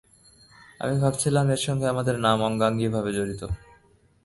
আমি ভাবছিলাম এর সঙ্গে আমাদের নাম অঙ্গাঙ্গী ভাবে জড়িত।